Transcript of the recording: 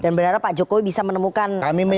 dan berharap pak jokowi bisa menemukan solusi ini